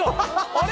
あれ？